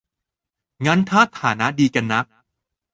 งั้นถ้าฐานะดีกันนัก